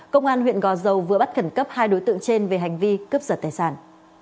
công an huyện gò dầu vừa bắt khẩn cấp hai đối tượng trên về hành vi cướp giật tài sản